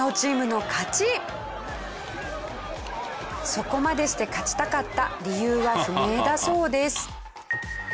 そこまでして勝ちたかった理由は不明だそうです。